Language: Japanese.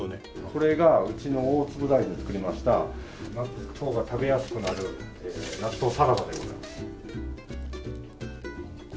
これがうちの大粒大豆で作りました納豆が食べやすくなる納豆サラダでございます。